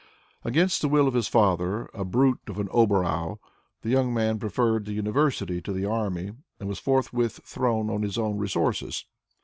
Against the will of his father, a brute of an hobereau, the young man preferred the university to the army, and was forthwith thrown on his own resources.